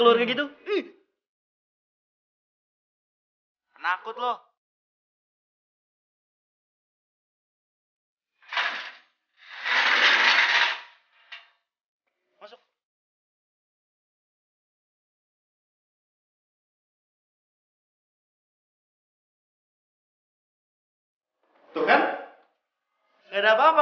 lu pada gak pada takut apa